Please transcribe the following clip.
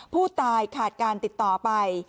ผู้ตายขาดการติดต่อไป